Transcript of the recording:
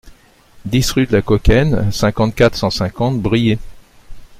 dix rue de la Kaukenne, cinquante-quatre, cent cinquante, Briey